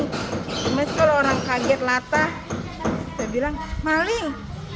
cuma kalau orang kaget latah saya bilang maling